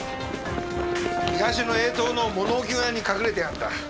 東のＡ棟の物置小屋に隠れてやがった。